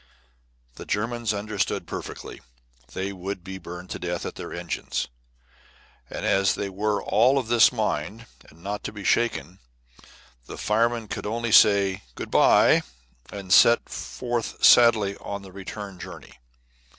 The Germans understood perfectly: they would be burned to death at their engines; and as they were all of this mind and not to be shaken, the firemen could only say "good by" and set forth sadly on the return journey.